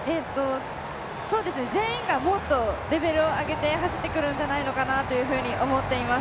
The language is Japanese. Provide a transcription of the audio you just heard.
全員がもっとレベルを上げて走ってくるんじゃないのかなと思っています。